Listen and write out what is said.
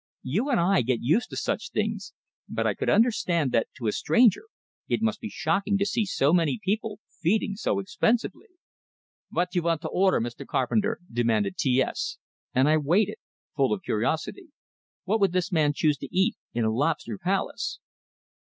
You and I get used to such things, but I could understand that to a stranger it must be shocking to see so many people feeding so expensively. "Vot you vant to order, Mr. Carpenter?" demanded T S; and I waited, full of curiosity. What would this man choose to eat in a "lobster palace"?